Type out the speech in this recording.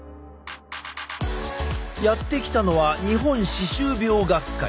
やって来たのは日本歯周病学会。